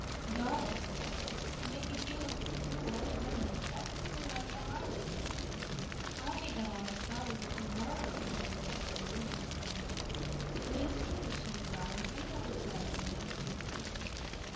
"Don't!" said Diana. "You make me feel as if we were old women with everything in life behind us." "I think I've almost felt as if we were since I heard about poor Ruby," said Anne. "If it is true that she is dying any other sad thing might be true, too."